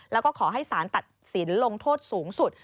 แล้วก็ขอให้สารตัดสินลงโทษสูงสุด